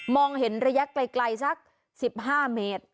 เห็นระยะไกลสัก๑๕เมตร